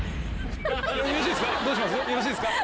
よろしいですか？